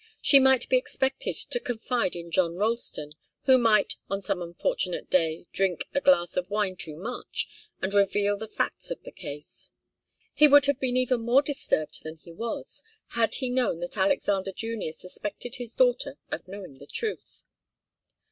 She might be expected to confide in John Ralston, who might, on some unfortunate day, drink a glass of wine too much and reveal the facts of the case. He would have been even more disturbed than he was, had he known that Alexander Junior suspected his daughter of knowing the truth.